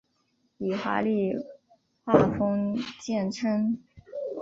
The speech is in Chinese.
以华丽画风见称。